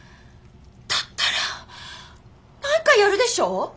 だったら何かやるでしょ？